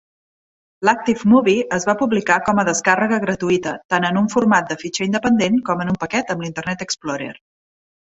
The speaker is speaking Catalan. L'ActiveMovie es va publicar com a descàrrega gratuïta, tant en un format de fitxer independent com en un paquet amb l'Internet Explorer.